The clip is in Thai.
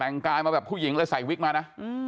แต่งกายมาแบบผู้หญิงเลยใส่วิกมานะ